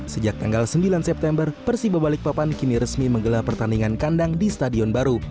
sejak tanggal sembilan september persiba balikpapan kini resmi menggelar pertandingan kandang di stadion baru